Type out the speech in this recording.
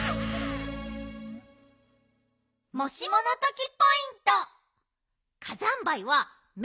もしものときポイント。